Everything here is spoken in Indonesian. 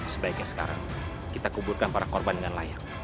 sebaiknya sekarang kita kuburkan para korban dengan layak